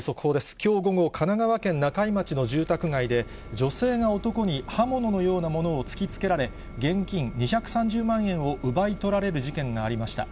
きょう午後、神奈川県中井町の住宅街で、女性が男に刃物のようなものを突きつけられ、現金２３０万円を奪い取られる事件がありました。